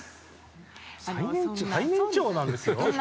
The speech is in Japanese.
チーム最年長なんですよ！